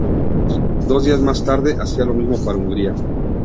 Dos días más tarde, hacía lo mismo para Hungría.